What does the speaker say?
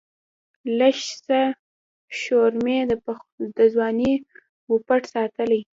لږڅه شورمي د ځواني وًپټ ساتلی